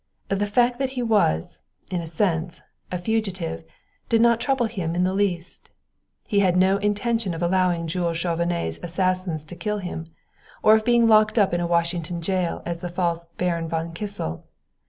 The fact that he was, in a sense, a fugitive did not trouble him in the least. He had no intention of allowing Jules Chauvenet's assassins to kill him, or of being locked up in a Washington jail as the false Baron von Kissel.